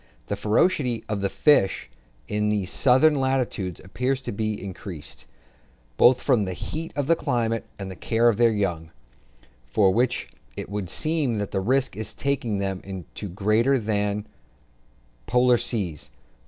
The ferocity of the fish in these southern latitudes appears to be increased, both from the heat of the climate and the care of their young, for which reason it would seem that the risk in taking them is greater than in the polar seas.